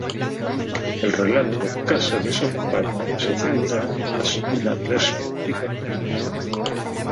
El relato "Casa desocupada" se centra aún más en la perspectiva feminista.